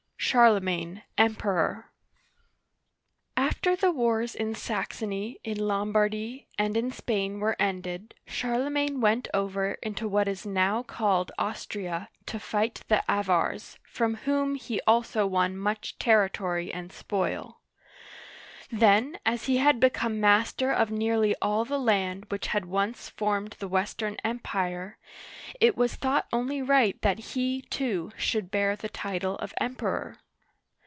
CHARLEMAGNE, EMPEROR AFTER the wars in Saxony, in Lombardy, and in Spain were ended, Charlemagne went over into what is now called Austria, to fight the A'vars, from whom Digitized by Google 78 OLD FRANCE he also won much territory and spoil. Then as he had become master of nearly all the land which had once formed the Western Empire, it was thought only right that he, too, should bear the title of Emperor.